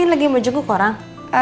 lagi mau jenguk orang